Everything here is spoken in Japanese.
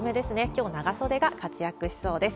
きょう、長袖が活躍しそうです。